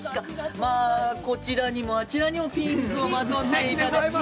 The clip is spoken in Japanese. ◆まあこちらにも、あちらにもピンクをまとっていただいて。